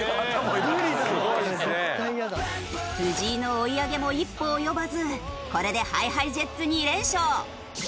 藤井の追い上げも一歩及ばずこれでＨｉＨｉＪｅｔｓ２連勝！